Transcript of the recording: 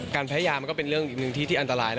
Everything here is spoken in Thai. แพ้ยามันก็เป็นเรื่องอีกหนึ่งที่ที่อันตรายนะ